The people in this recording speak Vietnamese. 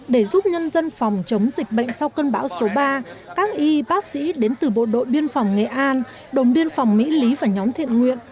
để giúp nhân dân phòng chống dịch bệnh sau cơn bão số ba các y bác sĩ đến từ bộ đội biên phòng nghệ an đồn biên phòng mỹ lý và nhóm thiện nguyện